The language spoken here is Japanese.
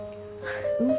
うん。